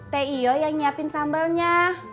teh iyo yang nyiapin sambelnya